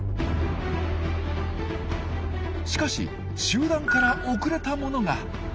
しかし集団から遅れたものが。